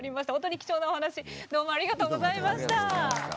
貴重なお話どうもありがとうございました。